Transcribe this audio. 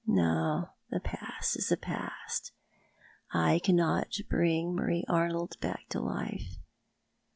"No; the past is the past. I cannot bring Marie Arnold back to life.